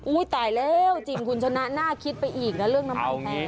ตายแล้วจริงคุณชนะน่าคิดไปอีกนะเรื่องน้ำมันแพง